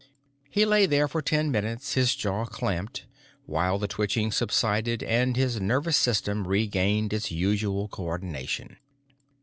He lay there for ten minutes, his jaw clamped, while the twitching subsided and his nervous system regained its usual co ordination.